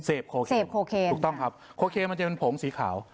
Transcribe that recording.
เสพโคเคถูกต้องครับโคเคมันจะเป็นผงสีขาว